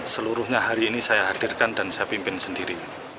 seluruhnya hari ini saya hadirkan dan saya pimpin sendiri